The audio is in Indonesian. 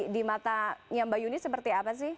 di mata yang mbak yuni seperti apa sih